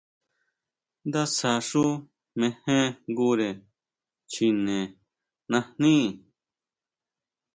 Ndásja xú mejenjngure chine najní.